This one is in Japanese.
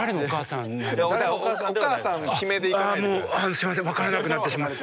すいません分からなくなってしまって。